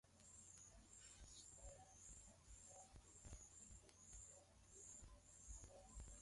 Hop yenyewe ni utamaduni na aina ya maisha yenye misingi yake thabiti Kama ilivyo